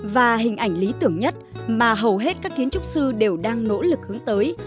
và hình ảnh lý tưởng nhất mà hầu hết các kiến trúc sư đều đang nỗ lực hướng tới